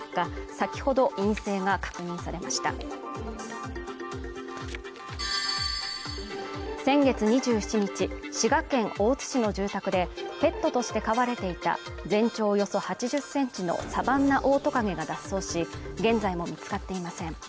先ほど陰性が確認されました先月２７日滋賀県大津市の住宅でペットとして飼われていた全長およそ８０センチのサバンナオオトカゲが脱走し現在も見つかっていません